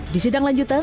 di sidang lanjutan